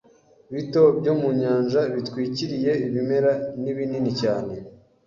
bito byo mu Nyanja bitwikiriye Ibimera ni binini cyane